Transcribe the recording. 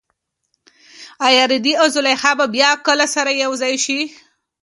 ایا رېدی او زلیخا به کله هم سره یوځای شي؟